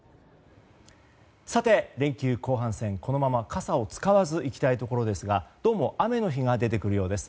連休後半戦、このまま傘を使わずいきたいところですがどうも雨の日が出てくるようです。